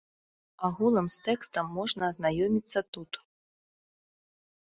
Агулам з тэкстам можна азнаёміцца тут.